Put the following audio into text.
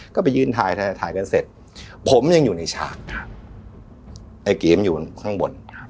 ก็ไปยื่นทายทายทายกันเสร็จผมยังอยู่ในชาติครับไอ้กรีมอยู่ข้างบนครับ